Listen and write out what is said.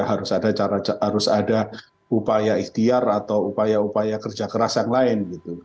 harus ada upaya ikhtiar atau upaya upaya kerja keras yang lain